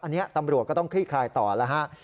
อันนี้ตำรวจก็ต้องคลี่คลายต่อแล้วฮะ